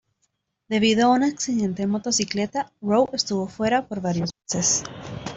Debido a un accidente en motocicleta, Rowe estuvo fuera por varios meses.